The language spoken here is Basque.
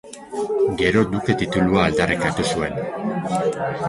Gero duke titulua aldarrikatu zuen.